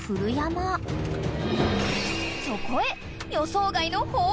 ［そこへ］